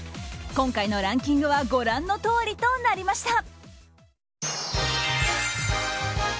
今回のランキングはご覧のとおりとなりました。